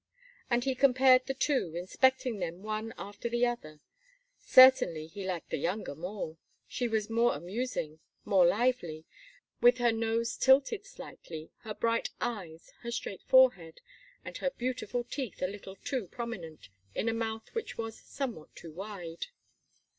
And he compared the two, inspecting them one after the other. Certainly, he liked the younger more; she was more amusing, more lively, with her nose tilted slightly, her bright eyes, her straight forehead, and her beautiful teeth a little too prominent in a mouth which was somewhat too wide.